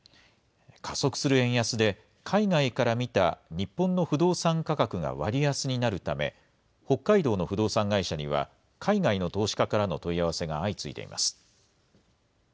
加速する円安で、海外から見た日本の不動産価格が割安になるため、北海道の不動産会社には、海外の投資家からの問い合わせが相次いでいます。